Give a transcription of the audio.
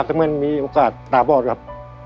แต่มันมีโอกาสตาบอดครับ